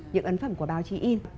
những ấn phẩm của báo chí in